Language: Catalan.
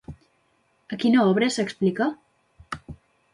A quina obra s'explica?